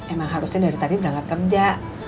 emang harusnya dari tadi berangkat kerja